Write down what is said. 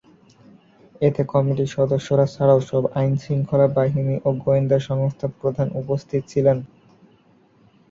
এতে কমিটির সদস্যরা ছাড়াও সব আইন-শৃঙ্খলা বাহিনী ও গোয়েন্দা সংস্থার প্রধান উপস্থিত ছিলেন।